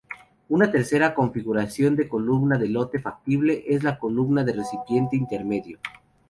Una tercera configuración de columna de lote factible es la columna de recipiente intermedio.